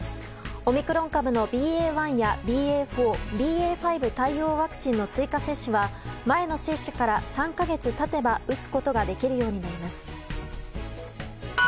オミクロン株のＢＡ．１やＢＡ．４ＢＡ．５対応ワクチンの追加接種は前の接種から３か月経てば打つことができるようになります。